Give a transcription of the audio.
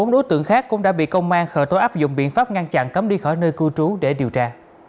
bốn đối tượng khác cũng đã bị công an khởi tố áp dụng biện pháp ngăn chặn cấm đi khỏi nơi cư trú để điều tra